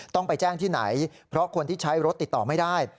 ต้องไปแจ้งที่ไหนเพราะคนที่ใช้รถติดต่อไม่ได้